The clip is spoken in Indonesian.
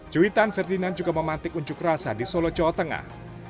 cuitan ferdinand juga memantik unjuk rasa di solo jawa tengah